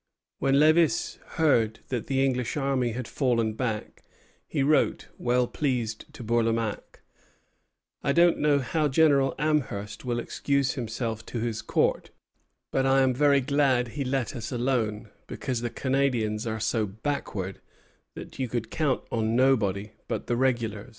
When Lévis heard that the English army had fallen back, he wrote, well pleased, to Bourlamaque: "I don't know how General Amherst will excuse himself to his Court, but I am very glad he let us alone, because the Canadians are so backward that you could count on nobody but the regulars."